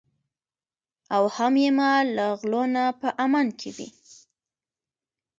او هم یې مال له غلو نه په امن کې وي.